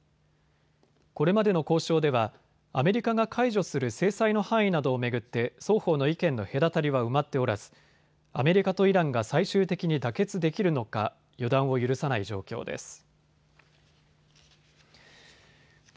これまでの交渉ではアメリカが解除する制裁の範囲などを巡って双方の意見の隔たりは埋まっておらずアメリカとイランが最終的に妥結できるのか予断を許さない状況です。